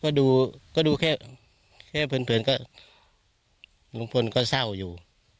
ก็ดูก็ดูแค่เพื่อนก็ลุงพลก็เศร้าอยู่